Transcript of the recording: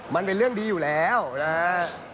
มันเป็นเรื่องดีอยู่แล้วนะฮะ